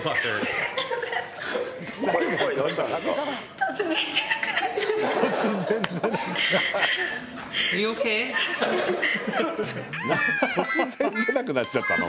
突然出なくなっちゃったの？